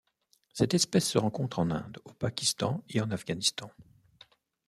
Cette espèce se rencontre en Inde, au Pakistan et en Afghanistan.